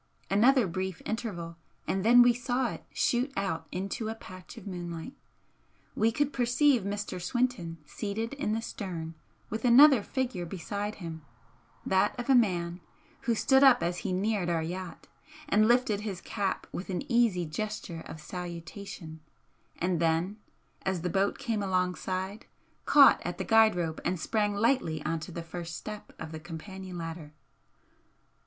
Another brief interval and then we saw it shoot out into a patch of moonlight we could perceive Mr. Swinton seated in the stern with another figure beside him that of a man who stood up as he neared our yacht and lifted his cap with an easy gesture of salutation, and then as the boat came alongside, caught at the guide rope and sprang lightly on the first step of the companion ladder.